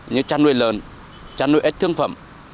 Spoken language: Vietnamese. như chăn nuôi lớn chăn nuôi ếch thương phẩm